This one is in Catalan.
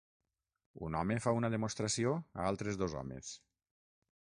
Un home fa una demostració a altres dos homes.